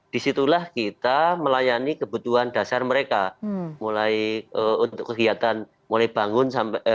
di situlah kita melayani kebutuhan dasar mereka mulai untuk kegiatan mulai bangun